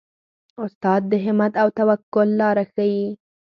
استاد د همت او توکل لاره ښيي.